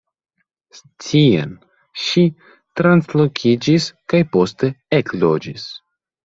Tien ŝi translokiĝis kaj poste ekloĝis.